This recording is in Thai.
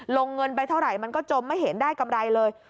เงินไปเท่าไหร่มันก็จมไม่เห็นได้กำไรเลย